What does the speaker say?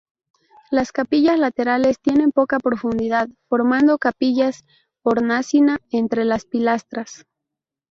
Las capillas laterales tienen poca profundidad, formando capillas hornacina, entre las pilastras.